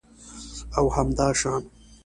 او همداشان